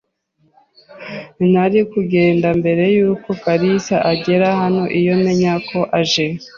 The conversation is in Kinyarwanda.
Nari kugenda mbere yuko kalisa agera hano iyo menya ko aje.